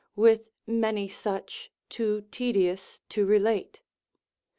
with many such, too tedious to relate.